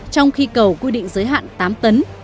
trong khi cầu quy định giới hạn tám tấn